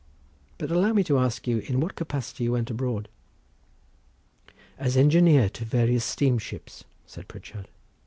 But allow me to ask you in what capacity you went abroad?" "As engineer to various steamships," said Pritchard.